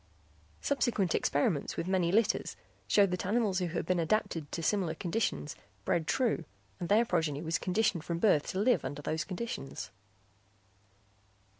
Subsequent experiments with many litters showed that animals who had been adapted to similar conditions bred true and their progeny was conditioned from birth to live under those conditions.